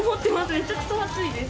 めちゃくちゃ暑いです。